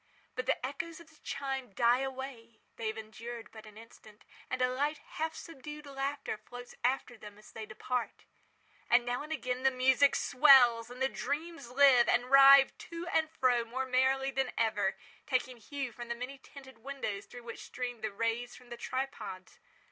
But the echoes of the chime die away—they have endured but an instant—and a light, half subdued laughter floats after them as they depart. And now again the music swells, and the dreams live, and writhe to and fro more merrily than ever, taking hue from the many tinted windows through which stream the rays from the tripods.